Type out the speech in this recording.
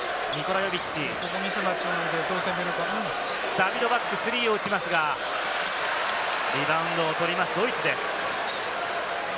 ダビドバック、スリーを打ちますが、リバウンドを取りますドイツです。